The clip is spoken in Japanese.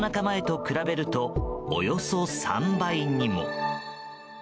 前と比べるとおよそ３倍にも。